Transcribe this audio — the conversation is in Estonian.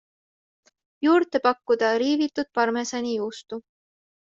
Juurde pakkuda riivitud parmesani juustu.